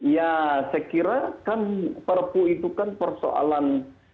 ya saya kira kan perpu itu kan persoalan